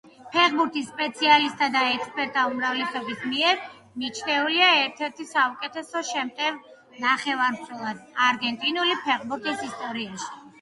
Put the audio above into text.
ფეხბურთის სპეციალისტთა და ექსპერტთა უმრავლესობის მიერ მიჩნეულია ერთ-ერთ საუკეთესო შემტევ ნახევარმცველად არგენტინული ფეხბურთის ისტორიაში.